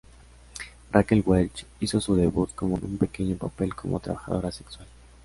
Raquel Welch hizo su debut con un pequeño papel como trabajadora sexual.